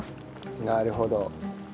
なるほど。